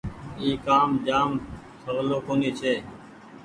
اي ڪآ م سولو ڪونيٚ ڇي ۔